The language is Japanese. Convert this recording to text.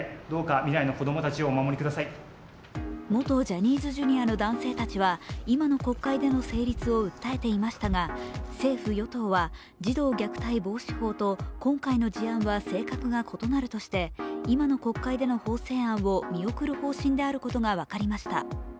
元ジャニーズＪｒ．の男性たちは今の国会での成立を訴えていましたが、政府・与党は、児童虐待防止法と今回の事案は性格が異なるとして今の国会での法改正を見送る方針であることが分かりました。